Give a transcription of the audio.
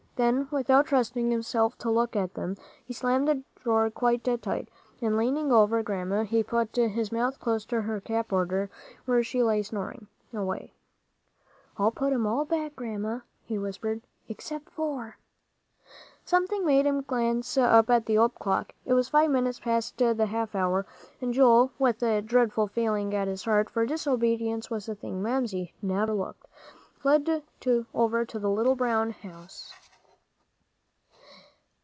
Then, without trusting himself to look at them, he slammed the drawer quite tight, and leaning over Grandma, he put his mouth close to her cap border where she lay snoring away. "I put 'em all back, Grandma," he whispered, "except four." Something made him glance up at the old clock. It was five minutes past the half hour, and Joel, with a dreadful feeling at his heart, for disobedience was a thing Mamsie never overlooked, fled over to the little brown house.